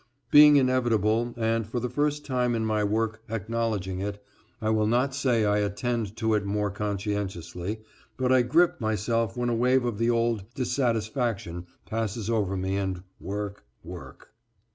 Being inevitable, and for the first time in my work, acknowledging it, I will not say I attend to it more conscientiously, but I grip myself when a wave of the old dissatisfaction passes over me and work, work.